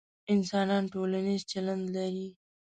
انسانان ټولنیز چلند لري،